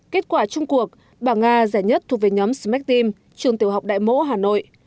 kết quả trong cuộc bảng a giải nhất thuộc về nhóm smack team trường tiểu học đại mỗ hà nội